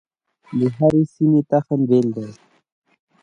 د هرې سیمې تخم بیل دی.